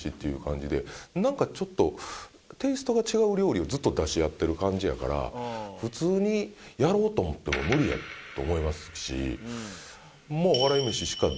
いう感じでなんかちょっとテイストが違う料理をずっと出し合ってる感じやから普通にやろうと思っても無理やと思いますし。